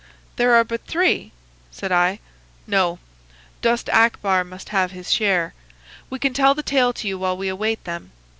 "'There are but three,' said I. "'No; Dost Akbar must have his share. We can tell the tale to you while we await them.